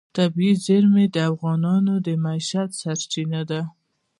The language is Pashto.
طبیعي زیرمې د افغانانو د معیشت سرچینه ده.